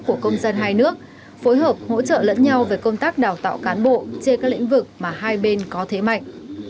của công dân hai nước phối hợp hỗ trợ lẫn nhau về công tác đào tạo cán bộ trên các lĩnh vực mà hai bên có thế mạnh